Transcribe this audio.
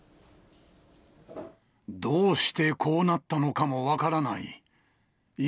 どうしてこうなったのかも分からない。